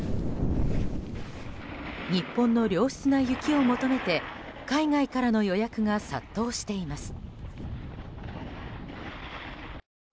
日本の良質な雪を求めて海外からの予約が殺到しています。